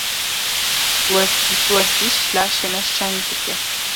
Werzîş, laşê me şeng dike.